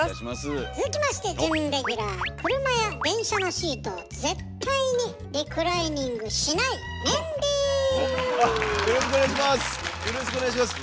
続きまして車や電車のシートを絶対にリクライニングしないよろしくお願いします！